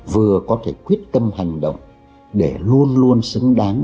vừa có thể quyết tâm hành động để luôn luôn xứng đáng